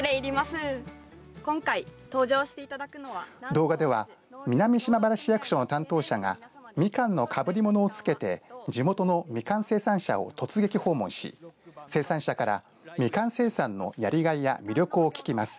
動画では南島原市役所の担当者がみかんのかぶり物をつけて地元のみかん生産者を突撃訪問し生産者からみかん生産のやりがいや魅力を聞きます。